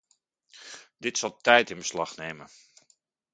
Dit zal tijd in beslag nemen.